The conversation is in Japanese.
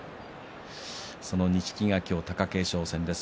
その錦木が今日は貴景勝戦です。